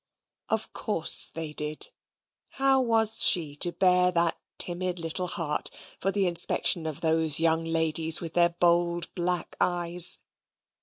Of course they did. How was she to bare that timid little heart for the inspection of those young ladies with their bold black eyes?